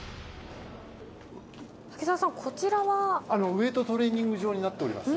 ウエートトレーニング場になっております